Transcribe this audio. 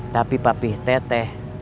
tapi papi teteh